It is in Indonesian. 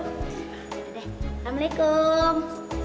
ayo deh assalamualaikum